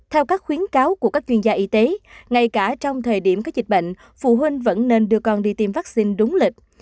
theo các khuyến cáo của các chuyên gia y tế ngay cả trong thời điểm có dịch bệnh phụ huynh vẫn nên đưa con đi tiêm vaccine đúng lịch